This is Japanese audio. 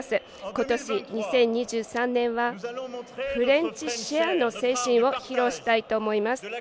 今年２０２３年はフレンチシェアの精神を披露したいと思います。